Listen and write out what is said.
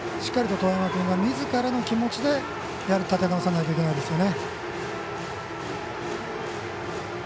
しっかりと當山君がみずからの気持ちでやり遂げないといけないですね。